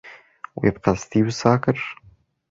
We bi qesdî wisa kir?